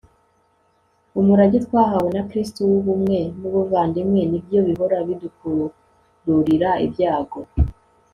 umurage twahawe na kristu w'ubumwe n'ubuvandimwe nibyo bihora bidukururira ibyago